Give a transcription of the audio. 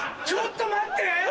ちょっと待って！